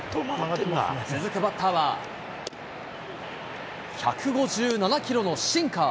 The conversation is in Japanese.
続くバッターは、１５７キロのシンカー。